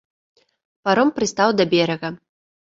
Паром прыстаў да берага.